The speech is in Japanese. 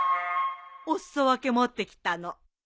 お裾分け持ってきたの。